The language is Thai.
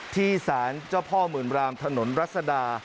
ที่สารเจ้าพ่อหมื่นรามถนนรัศดา